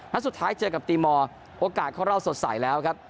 สุดท้ายเจอกับตีมอร์โอกาสเข้ารอบสดใสแล้วครับ